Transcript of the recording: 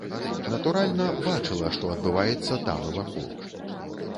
Натуральна, бачыла, што адбываецца там і вакол.